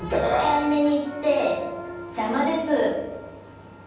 控えめに言って邪魔です。